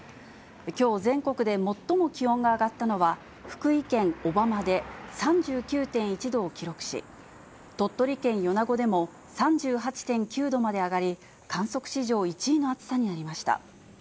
きょう全国で最も気温が上がったのは、福井県小浜で３９．１度を記録し、鳥取県米子でも３８．９度まで上がり、観測史上１位の暑さになりました。